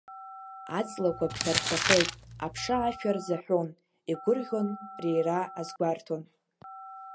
Аҵлақәа ԥхьарцахеит, аԥша ашәа рзаҳәон, игәырӷьон, рира азгәарҭон.